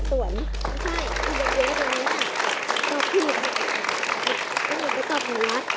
ก็ผิด